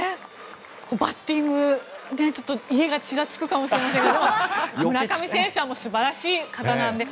バッティング家がちらつくかもしれませんが村上選手は素晴らしい方なので。